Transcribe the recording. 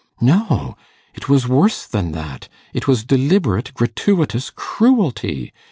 No. It was worse than that: it was deliberate, gratuitous cruelty.